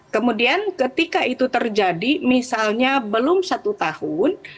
kemudian ketika itu terjadi misalnya belum satu tahun